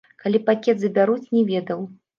Калі пакет забяруць, не ведаў.